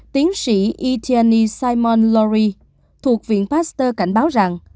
tiến sĩ etienne simon laurie thuộc viện pasteur cảnh báo rằng